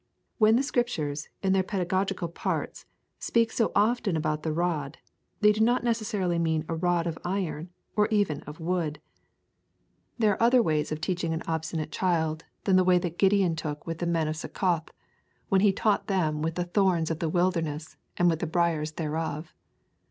When the Scriptures, in their pedagogical parts, speak so often about the rod, they do not necessarily mean a rod of iron or even of wood. There are other ways of teaching an obstinate child than the way that Gideon took with the men of Succoth when he taught them with the thorns of the wilderness and with the briars thereof.